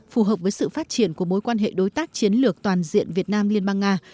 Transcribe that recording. phù hợp với sự phát triển của mối quan hệ đối tác chiến lược toàn diện việt nam liên bang nga